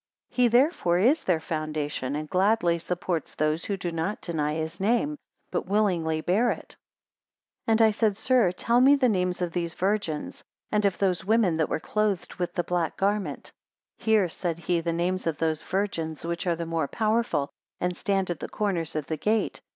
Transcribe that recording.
He therefore is their foundation, and gladly supports those who do not deny his name, but willingly bear it. 140 And I said: Sir, tell me the names of these virgins; and of those women that were clothed with the black garment. 141 Hear, said he, the names of those virgins which are the more powerful, and stand at the corners of the gate.